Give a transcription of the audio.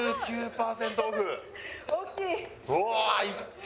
うわっいった！